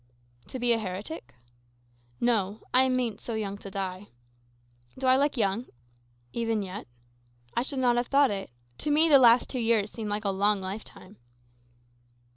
"To be a heretic?" "No; I meant so young to die.' "Do I look young even yet? I should not have thought it. To me the last two years seem like a long life time."